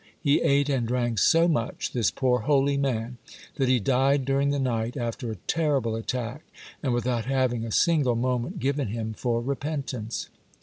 He ate and drank so much, this poor holy man, that he died during the night, after a terrible attack, and without having a single mo ment given him for repentance.